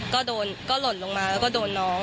ก็หล่นลงมาแล้วก็โดนน้อง